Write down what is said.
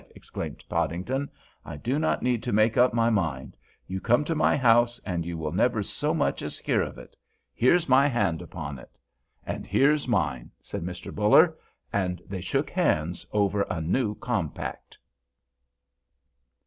exclaimed Podington. "I do not need to make up my mind. You come to my house and you will never so much as hear of it. Here's my hand upon it!" "And here's mine!" said Mr. Buller. And they shook hands over a new compact.